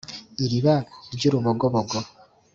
iriba ry’urubogobogo